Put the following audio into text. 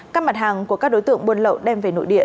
các mặt hàng của các đối tượng buôn lậu đem về nội địa